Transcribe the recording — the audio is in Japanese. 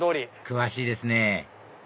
詳しいですね